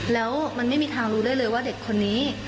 แล้วมันไม่มีทางรู้ได้เลยว่าเด็กคนนี้